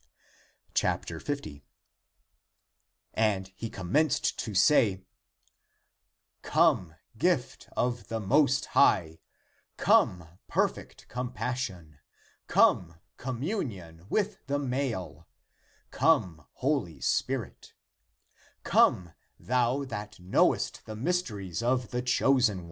50. And he commenced to say: <" Come, gift of the Most High;> Come, perfect compassion; Come, communion with the male ;<Come, Holy Spirit ;> Come, thou that knowest the mysteries of the chosen one; i2Comp.